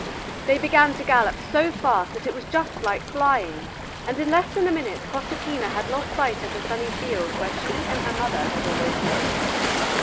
They began to gallop so fast that it was just like flying, and in less than a minute Proserpina had lost sight of the sunny fields where she and her mother had always lived.